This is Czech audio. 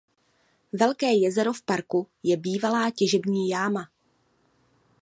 Velké jezero v parku je bývalá těžební jáma.